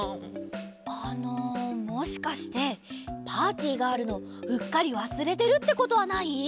あのもしかしてパーティーがあるのうっかりわすれてるってことはない？